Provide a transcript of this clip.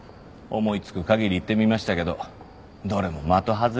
思いつく限り言ってみましたけどどれも的外れでした。